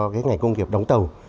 cái ngành công nghiệp đóng tàu